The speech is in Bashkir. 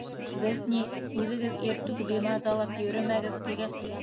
Беҙ ни, үҙегеҙ иртүк бимазалап йөрөмәгеҙ, тигәс...